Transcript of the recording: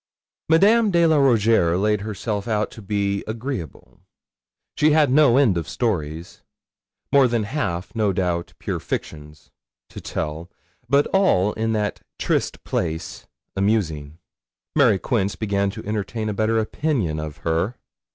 Madame de la Rougierre laid herself out to be agreeable; she had no end of stories more than half, no doubt, pure fictions to tell, but all, in that triste place, amusing. Mary Quince began to entertain a better opinion of her.